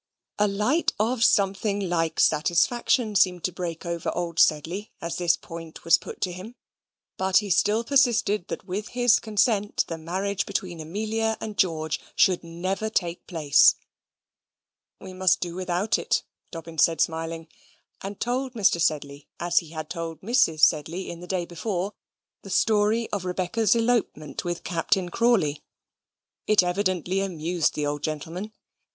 A light of something like satisfaction seemed to break over old Sedley as this point was put to him: but he still persisted that with his consent the marriage between Amelia and George should never take place. "We must do it without," Dobbin said, smiling, and told Mr. Sedley, as he had told Mrs. Sedley in the day, before, the story of Rebecca's elopement with Captain Crawley. It evidently amused the old gentleman.